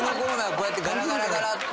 こうやってガラガラガラって。